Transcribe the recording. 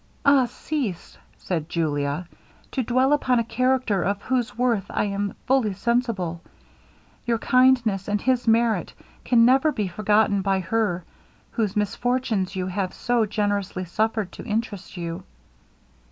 'Ah, cease,' said Julia, 'to dwell upon a character of whose worth I am fully sensible. Your kindness and his merit can never be forgotten by her whose misfortunes you have so generously suffered to interest you.'